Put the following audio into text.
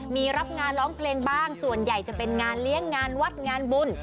มีรับงานร้องเพลงบ้างส่วนใหญ่จะเป็นงานเลี้ยงงานวัดงานบุญ